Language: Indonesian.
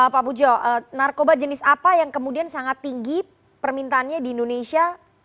pak pujo narkoba jenis apa yang kemudian sangat tinggi permintaannya di indonesia